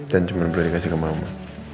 dan cuma boleh dikasih ke mama